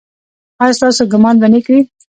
ایا ستاسو ګمان به نیک وي؟